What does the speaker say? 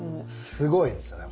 すごいですよね。